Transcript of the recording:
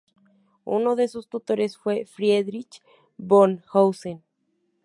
Uno de sus tutores fue Friedrich von Hausen.